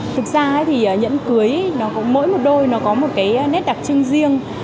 thực ra thì nhẫn cưới mỗi một đôi nó có một cái nét đặc trưng riêng